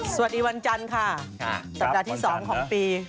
สวัสดีวันจันทร์ค่ะสัปดาห์ที่๒ของปี